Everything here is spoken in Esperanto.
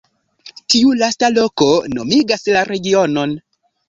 Tiu lasta loko nomigas la regionon.